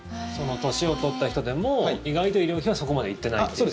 年を取った人でも意外と医療費はそこまで行ってないっていう。